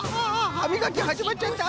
はみがきはじまっちゃった！